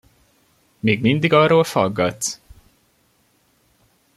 Még mindig arról faggatsz?!